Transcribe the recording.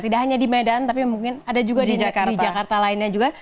tidak hanya di medan tapi mungkin ada juga di jakarta lainnya juga